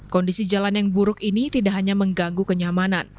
kondisi jalan yang buruk ini tidak hanya mengganggu kenyamanan